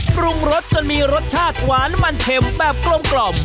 ปรุงรสจนมีรสชาติหวานมันเข็มแบบกลม